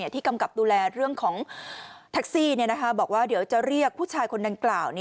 กำกับดูแลเรื่องของแท็กซี่บอกว่าเดี๋ยวจะเรียกผู้ชายคนดังกล่าว